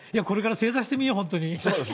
これから正座して見よう、本当に。